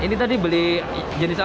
ini tadi beli jenis apa